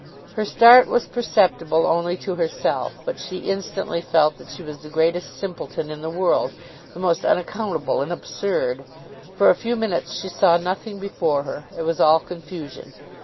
Her start was perceptible only to herself; but she instantly felt that she was the greatest simpleton in the world, the most unaccountable and absurd! For a few minutes she saw nothing before her; it was all confusion.